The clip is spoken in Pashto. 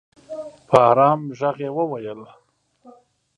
په ارام ږغ یې وویل